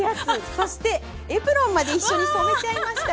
そしてエプロンまで一緒に染めちゃいました。